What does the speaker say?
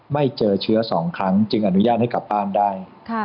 ไม่เจอเชื้อ๒ครั้งจึงอนุญาตให้กลับบ้านได้